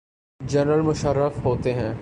General Musharraf ہوتے ہیں۔